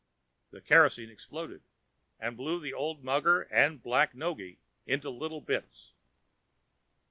the kerosene exploded, and blew the old mugger and Black Noggy into little bits.